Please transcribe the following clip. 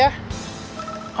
gak usah lah ya